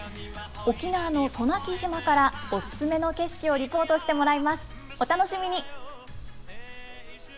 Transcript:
沖縄の渡名喜島から、お勧めの景色をリポートしてもらいます。